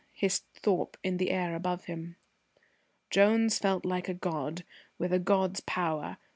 hissed Thorpe in the air above him. Jones felt like a god, with a god's power.